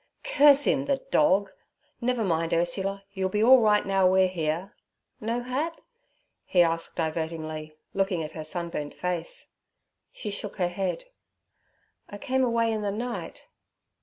'Curse him, the dog! Never mind, Ursula, you'll be all right now we're here. No hat?' he asked divertingly, looking at her sunburnt face. She shook her head. 'I came away in the night.'